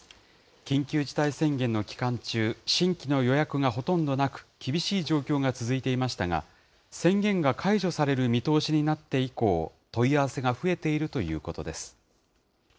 緊急事態宣言の期間中、新規の予約がほとんどなく、厳しい状況が続いていましたが、宣言が解除される見通しになって以降、問い合わせが増えているということです。